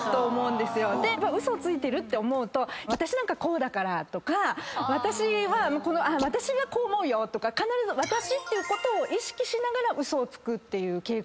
でウソついてるって思うと「私なんかこうだから」とか「私はこう思うよ」とか必ず「私」っていうことを意識しながらウソをつくっていう傾向がすごく高い。